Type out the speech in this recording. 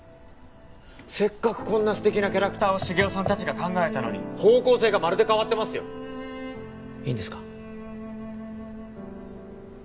せっかくこんな素敵なキャラクターを繁雄さん達が考えたのに方向性がまるで変わってますよいいんですか？